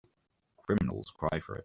Criminals cry for it.